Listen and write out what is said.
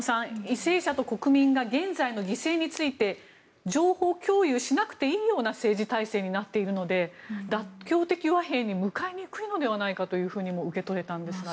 犠牲者と国民が現在の犠牲について情報共有しなくていい政治体制になっているので妥協的和平に向かいにくいのではないかとも受け取れたんですが。